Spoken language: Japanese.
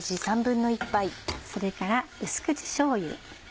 それから淡口しょうゆ。